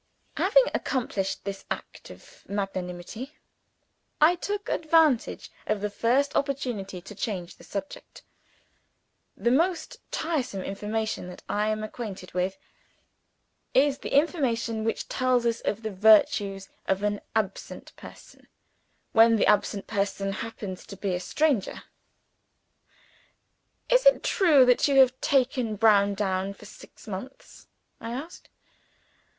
Having accomplished this act of magnanimity, I took advantage of the first opportunity to change the subject. The most tiresome information that I am acquainted with, is the information which tells us of the virtues of an absent person when that absent person happens to be a stranger. "Is it true that you have taken Browndown for six months?" I asked.